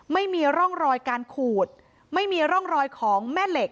ไม่มีร่องรอยการขูดไม่มีร่องรอยของแม่เหล็ก